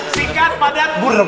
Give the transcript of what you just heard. singkat padat burung